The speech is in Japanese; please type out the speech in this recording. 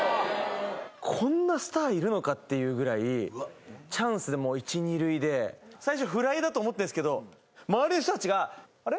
すごーいっていうぐらいチャンスでもう１・２塁で最初フライだと思ってんですけど周りの人たちがあれ？